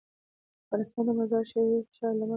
افغانستان د مزارشریف د ښار له مخې په ښه توګه پېژندل کېږي.